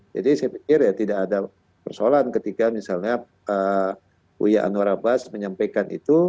jadi saya pikir ya tidak ada persoalan ketika misalnya buya anwar abbas menyampaikan itu